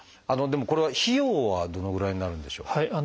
でもこれは費用はどのぐらいになるんでしょう？